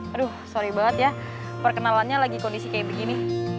aduh sorry banget ya perkenalannya lagi kondisi kayak begini